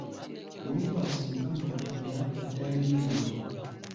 Wekwase Mukama Katonda atalemererwa